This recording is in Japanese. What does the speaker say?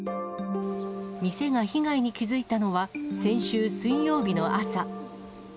店が被害に気付いたのは、先週水曜日の朝。